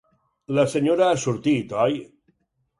La senyora ha sortit, oi?